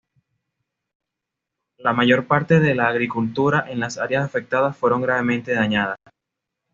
La mayor parte de la agricultura en las áreas afectadas fueron gravemente dañadas.